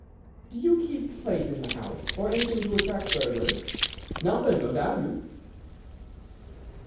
"Do you keep plate in the house, or anything to attract burglars?" "Nothing of value."